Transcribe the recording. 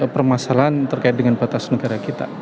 permasalahan terkait dengan batas negara kita